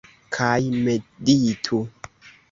Kaj meditu.